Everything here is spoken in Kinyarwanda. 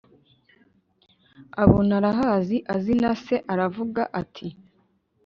abona arahazi, azi na se. aravuga ati